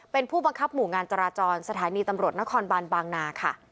เป็นผู้บังคับหมู่งานจราจรสถานีตำรวจนครบานบางนาค่ะ